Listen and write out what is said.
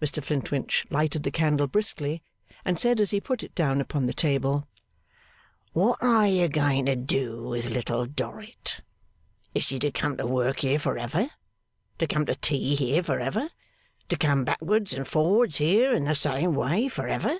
Mr Flintwinch lighted the candle briskly, and said as he put it down upon the table: 'What are you going to do with Little Dorrit? Is she to come to work here for ever? To come to tea here for ever? To come backwards and forwards here, in the same way, for ever?